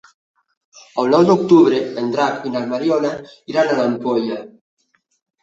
El nou d'octubre en Drac i na Mariona iran a l'Ampolla.